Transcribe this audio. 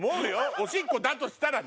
おしっこだとしたらね。